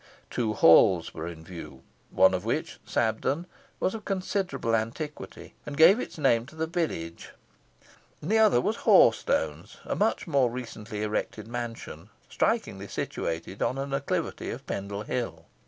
Two halls were in view; one of which, Sabden, was of considerable antiquity, and gave its name to the village; and the other was Hoarstones, a much more recently erected mansion, strikingly situated on an acclivity of Pendle Hill.